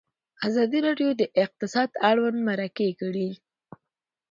ازادي راډیو د اقتصاد اړوند مرکې کړي.